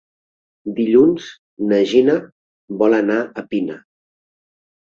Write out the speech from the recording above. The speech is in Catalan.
Dilluns na Gina vol anar a Pina.